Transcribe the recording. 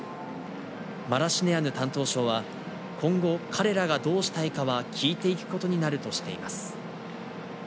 マラシネアヌ担当相は今後、彼らがどうしたいかは聞いていくことになるとしています。